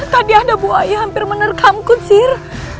tadi ada buaya hampir menerkamku syir